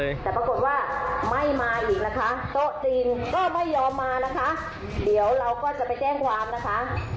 เดี๋ยวเราก็จะไปแจ้งความนะคะ